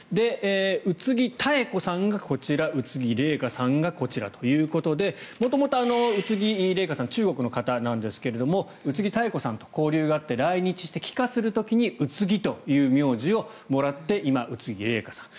宇津木妙子さんがこちら宇津木麗華さんがこちらということで元々は宇津木麗華さんは中国の方なんですけど宇津木妙子さんと交流があって来日して、帰化する時に宇津木という名字をもらって今、宇津木麗華さん。